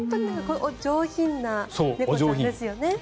上品な猫ちゃんですよね。